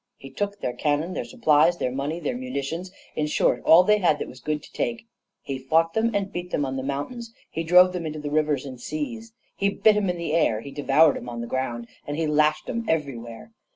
He took their cannon, their supplies, their money, their munitions, in short, all they had that was good to take. He fought them and beat them on the mountains, he drove them into the rivers and seas, he bit 'em in the air, he devoured 'em on the ground, and he lashed 'em everywhere.